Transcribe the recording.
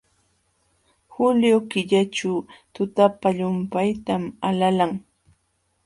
Julio killaćhu tutapa llumpaytam alalan.